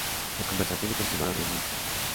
Las conversaciones continuaron en Minsk.